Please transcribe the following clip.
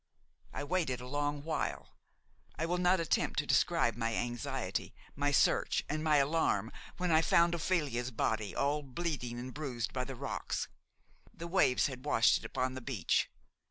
I waited a long while. I will not attempt to describe my anxiety, my search, and my alarm when I found Ophelia's body, all bleeding and bruised by the rocks; the waves had washed it upon the beach.